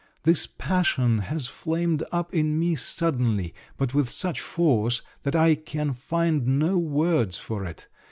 This passion has flamed up in me suddenly, but with such force that I can find no words for it!